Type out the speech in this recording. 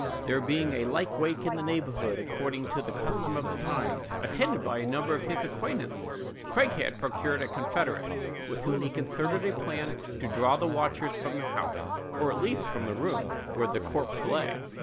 There being a lykewake in the neighborhood, according to the custom of the times, attended by a number of his acquaintance, Craighead procured a confederate, with whom he concerted a plan to draw the watchers from the house, or at least from the room where the corpse lay.